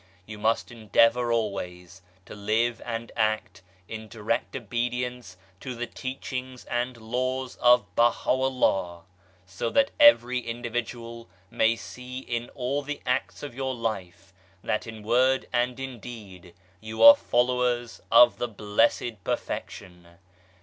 You must endeavour always to live and act in direct obedience to the teachings and laws of Baha'u'llah, so that every individual may see in all the acts of your life that in word and in deed you are followers of the Blessed Perfection.